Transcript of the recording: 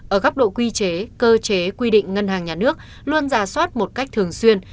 ở góc độ quy chế cơ chế quy định ngân hàng nhà nước luôn giả soát một cách thường xuyên